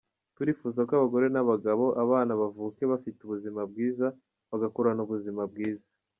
Turifuza ko abagore n’abagabo, abana bavuke bafite ubuzima bwiza, bagakurana ubuzima bwiza.